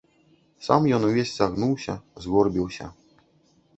Сам ён увесь сагнуўся, згорбіўся.